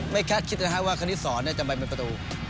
ไม่แค่คิดนะครับว่าคณิตศจะไปเป็นประตู